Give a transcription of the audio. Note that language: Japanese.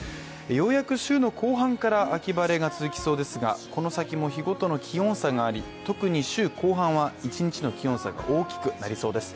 ようやく週の後半から秋晴れが続きそうですがこの先も日ごとの気温差があり特に週後半は一日の気温差が大きくなりそうです。